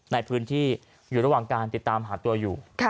ในพื้นที่อยู่ระหว่างการติดตามหาตัวอยู่